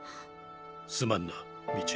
すまんな道塁。